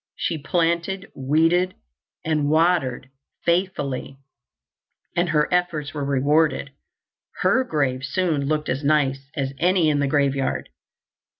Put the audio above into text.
She planted, weeded and watered faithfully, and her efforts were rewarded. "Her" grave soon looked as nice as any in the graveyard.